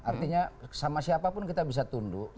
artinya sama siapapun kita bisa tunduk